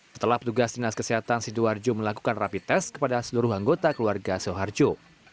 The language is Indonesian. setelah petugas dinas kesehatan sidoarjo melakukan rapi tes kepada seluruh anggota keluarga soeharjo